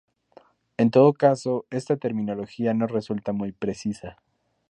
En todo caso, esta terminología no resulta muy precisa.